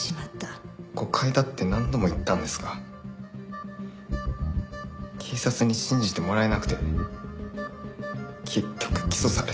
誤解だって何度も言ったんですが警察に信じてもらえなくて結局起訴されて。